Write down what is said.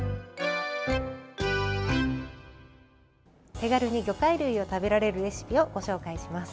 手軽に魚介類を食べられるレシピをご紹介します。